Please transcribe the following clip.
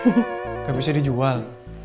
gak bisa dijual